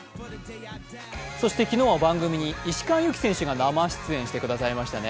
昨日は番組に石川祐希選手が生出演してくれましたね。